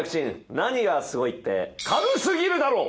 何がすごいって軽すぎるだろ！